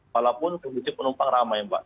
walaupun kondisi penumpang ramai mbak